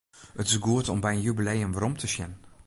It is goed om by in jubileum werom te sjen.